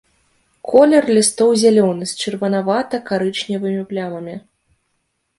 Колер лістоў зялёны з чырванавата-карычневымі плямамі.